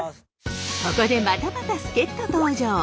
ここでまたまた助っと登場。